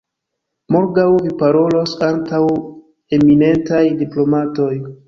Morgaŭ Vi parolos antaŭ eminentaj diplomatoj!